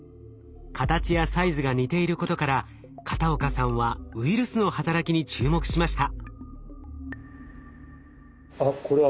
形やサイズが似ていることから片岡さんはウイルスの働きに注目しました。